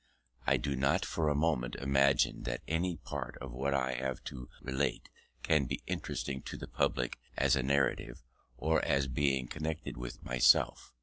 I do not for a moment imagine that any part of what I have to relate can be interesting to the public as a narrative or as being connected with myself.